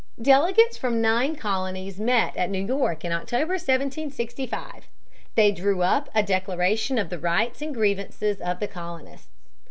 Delegates from nine colonies met at New York in October, 1765. They drew up a "Declaration of the Rights and Grievances of the Colonists."